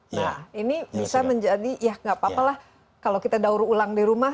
nah ini bisa menjadi ya nggak apa apa lah kalau kita daur ulang di rumah